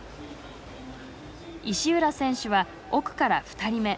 石浦選手は奥から２人目。